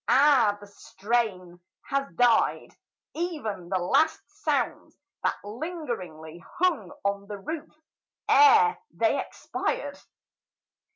Ah, the strain Has died ev'n the last sounds that lingeringly Hung on the roof ere they expired!